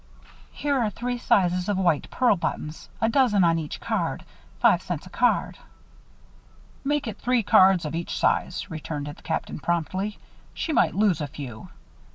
"Here are three sizes of white pearl buttons a dozen on each card. Five cents a card." "Make it three cards of each size," returned the Captain, promptly. "She might lose a few.